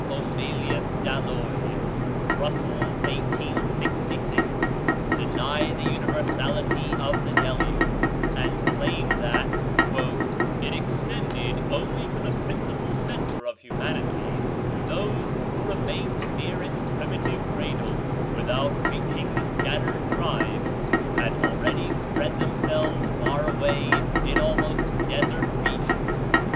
Omalius d'Halloy (Bruxelles, 1866), deny the universality of the Deluge, and claim that "it extended only to the principal centre of humanity, to those who remained near its primitive cradle, without reaching the scattered tribes who had already spread themselves far away in almost desert regions.